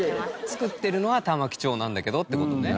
作ってるのは玉城町なんだけどって事ね。